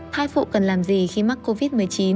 thai phụ cần làm gì khi mắc covid một mươi chín